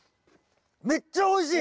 めっちゃおいしい！